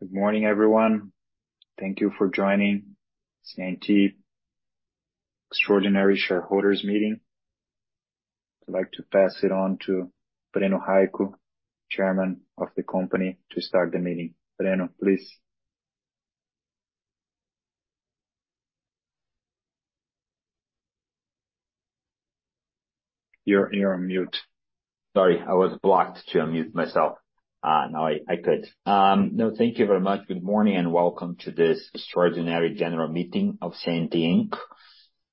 Good morning, everyone. Thank you for joining Senti Extraordinary Shareholders' meeting. I'd like to pass it on to Breno Haick Souza, Chairman of the company, to start the meeting. Breno, please. You're on mute. Sorry, I was blocked to unmute myself. Now I could. No, thank you very much. Good morning, and welcome to this extraordinary general meeting of Senti Inc.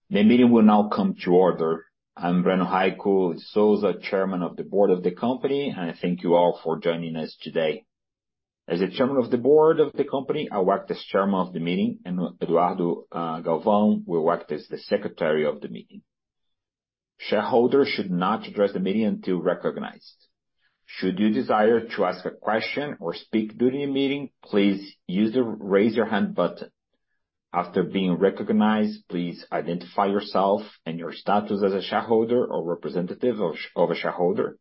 The meeting will now come to order. I'm Breno Haick Souza, chairman of the board of the company, and thank you all for joining us today. As the chairman of the board of the company, I'll work as chairman of the meeting, and Eduardo Galvão will work as the secretary of the meeting. Shareholders should not address the meeting until recognized. Should you desire to ask a question or speak during the meeting, please use the raise your hand button. After being recognized, please identify yourself and your status as a shareholder or representative of a shareholder,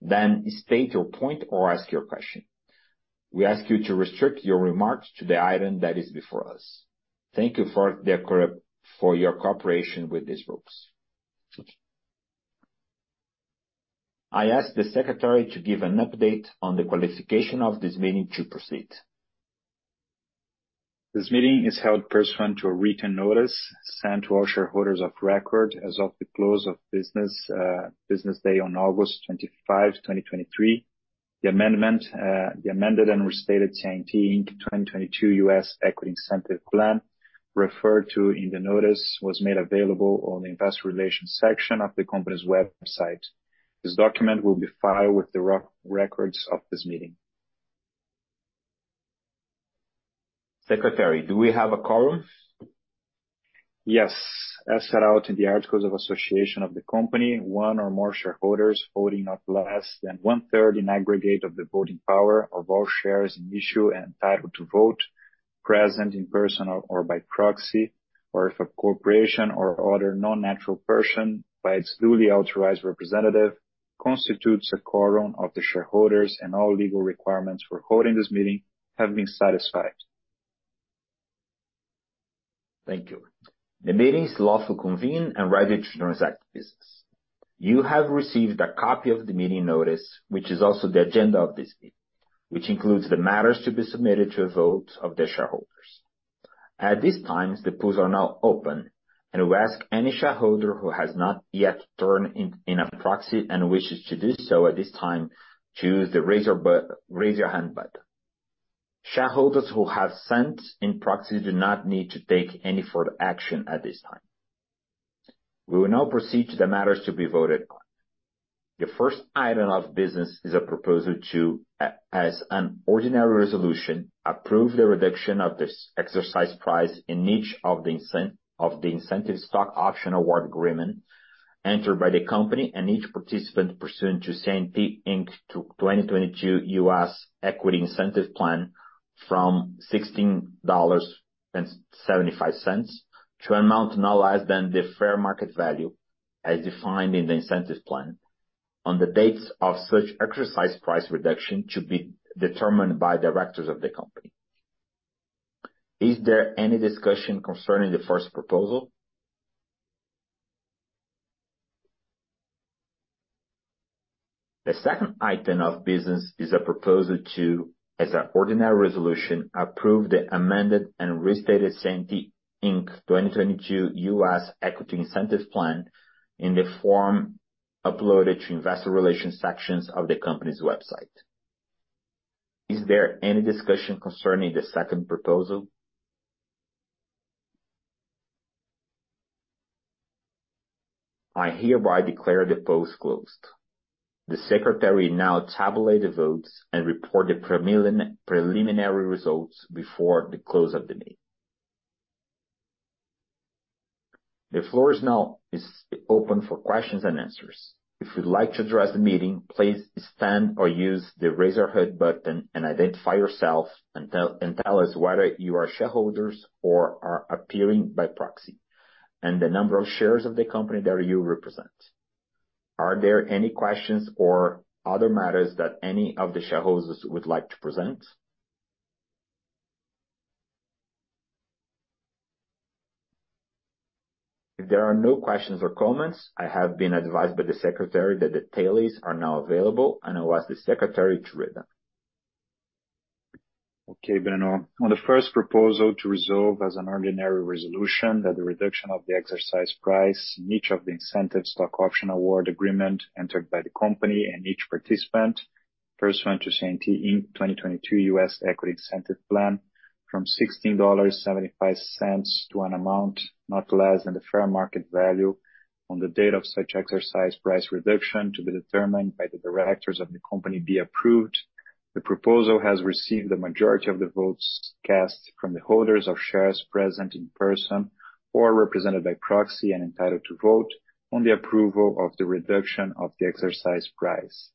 then state your point or ask your question. We ask you to restrict your remarks to the item that is before us. Thank you for your cooperation with these rules. I ask the secretary to give an update on the qualification of this meeting to proceed. This meeting is held pursuant to a written notice sent to all shareholders of record as of the close of business day on August 25, 2023. The amendment, the amended and restated Senti Inc. 2022 U.S. Equity Incentive Plan, referred to in the notice, was made available on the investor relations section of the company's website. This document will be filed with the records of this meeting. Secretary, do we have a quorum? Yes. As set out in the articles of association of the company, one or more shareholders voting not less than one-third in aggregate of the voting power, of all shares and issue, and entitled to vote, present in person or by proxy, or if a corporation or other non-natural person by its duly authorized representative, constitutes a quorum of the shareholders and all legal requirements for holding this meeting have been satisfied. Thank you. The meeting is lawfully convened and ready to transact business. You have received a copy of the meeting notice, which is also the agenda of this meeting, which includes the matters to be submitted to a vote of the shareholders. At this time, the polls are now open, and we ask any shareholder who has not yet turned in a proxy and wishes to do so at this time to choose the Raise your hand button. Shareholders who have sent in proxies do not need to take any further action at this time. We will now proceed to the matters to be voted on. The first item of business is a proposal to, as an ordinary resolution, approve the reduction of the exercise price in each of the incentive stock option award agreement, entered by the company and each participant pursuant to Senti Inc. 2022 U.S. Equity Incentive Plan from $16.75 to amount no less than the fair market value, as defined in the incentive plan, on the dates of such exercise price reduction to be determined by directors of the company. Is there any discussion concerning the first proposal? The second item of business is a proposal to, as an ordinary resolution, approve the amended and restated Senti Inc. 2022 U.S. Equity Incentive Plan in the form uploaded to investor relations sections of the company's website. Is there any discussion concerning the second proposal? I hereby declare the polls closed. The secretary now tabulates the votes and reports the preliminary results before the close of the meeting. The floor is now open for questions and answers. If you'd like to address the meeting, please stand or use the Raise Your Hand button and identify yourself, and tell us whether you are shareholders or are appearing by proxy, and the number of shares of the company that you represent. Are there any questions or other matters that any of the shareholders would like to present? If there are no questions or comments, I have been advised by the secretary that the tallies are now available, and I ask the secretary to read them. Okay, Breno. On the first proposal to resolve as an ordinary resolution that the reduction of the exercise price in each of the incentive stock option award agreement entered by the company and each participant, pursuant to Senti 2022 U.S. Equity Incentive Plan from $16.75 to an amount not less than the fair market value on the date of such exercise price reduction to be determined by the directors of the company be approved. The proposal has received the majority of the votes cast from the holders of shares present in person or represented by proxy and entitled to vote on the approval of the reduction of the exercise price.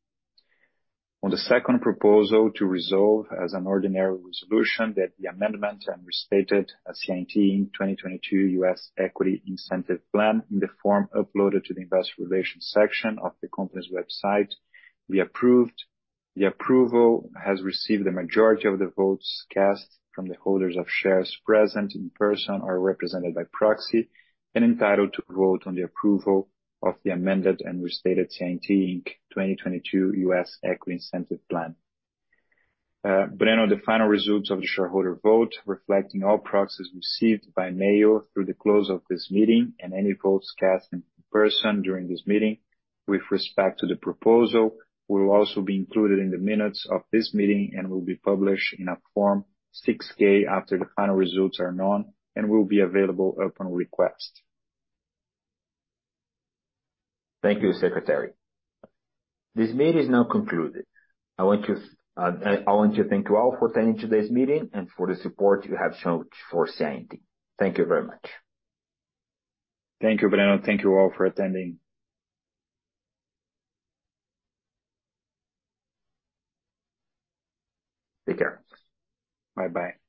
On the second proposal, to resolve as an ordinary resolution that the amended and restated 2022 Senti U.S. Equity Incentive Plan in the form uploaded to the investor relations section of the company's website, be approved. The approval has received the majority of the votes cast from the holders of shares present in person or represented by proxy, and entitled to vote on the approval of the amended and restated Senti Inc. 2022 U.S. Equity Incentive Plan. Breno, the final results of the shareholder vote, reflecting all proxies received by mail through the close of this meeting, and any votes cast in person during this meeting with respect to the proposal, will also be included in the minutes of this meeting and will be published in a Form 6-K after the final results are known, and will be available upon request. Thank you, Secretary. This meeting is now concluded. I want to thank you all for attending today's meeting and for the support you have shown for Senti. Thank you very much. Thank you, Breno. Thank you all for attending. Take care. Bye-bye.